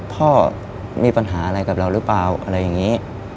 พ่อมีปัญหาอะไรกับเราหรือเปล่าอะไรอย่างนี้